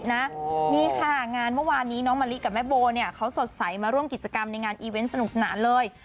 นี่ค่ะงานเมื่อวานนี้น้องมะลิกับแม่โบเนี่ยเขาสดใสมาร่วมกิจกรรมในงานอีเวนต์สนุกสนานเลย